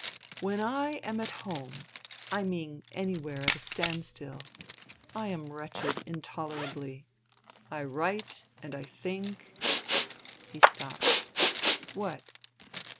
" When I am at home — I mean anywhere at a standstill— I am wretched intolerably. I write and I think " He stopped. " What